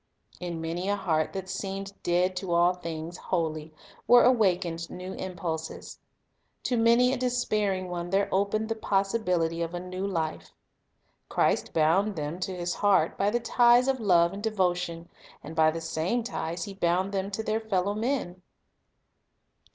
In many a heart that seemed dead to all things holy were awakened new impulses. To main a despairing one there opened the possibility of a new life. Christ bound men to His heart by the ties of love and devotion ; and by the same ties He bound them to their fellow men.